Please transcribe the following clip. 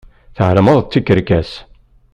Tɛelmeḍ d tikerkas.